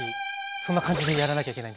そんな感じでやらなきゃいけないんですか？